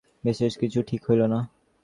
বিশেষ কিছু ঠিক হইল না।